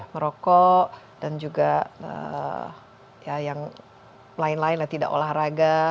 merokok dan juga ya yang lain lain ya tidak olahraga